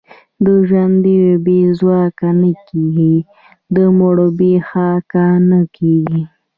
د ژوندو بې ځواکه نه کېږي، د مړو بې خاکه نه کېږي.